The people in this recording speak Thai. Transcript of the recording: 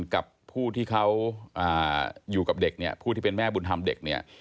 กับผู้ที่เขาอยู่กับเด็กเนี่ยผู้ที่เป็นแม่บุญธรรมเด็กเนี่ย